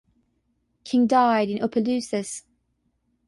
King died in Opelousas.